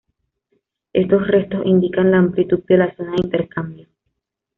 Estos restos indican la amplitud de la zona de intercambio.